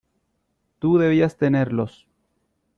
tú debías tenerlos...